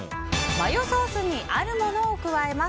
マヨソースにあるものを加えます。